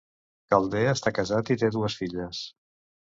Calder està casat i té dues filles.